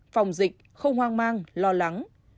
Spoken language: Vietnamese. phòng dịch không hoang mang lo lắng